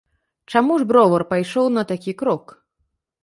Чаму ж бровар пайшоў на такі крок?